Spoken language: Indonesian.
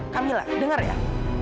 kamila denger ya